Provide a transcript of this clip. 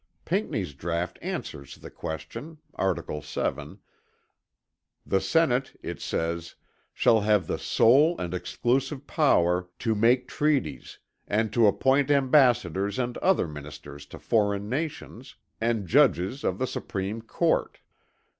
Pinckney's draught answers the question, (art. 7) the Senate, it says, shall have the sole and exclusive power "to make treaties; and to appoint ambassadors and other ministers to foreign nations, and judges of the Supreme Court."